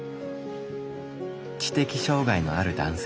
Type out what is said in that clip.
知的障害のある男性。